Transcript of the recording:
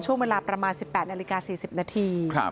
ช่วงเวลาประมาณ๑๘นาฬิกา๔๐นาที